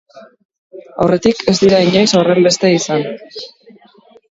Aurretik, ez dira inoiz horrenbeste izan.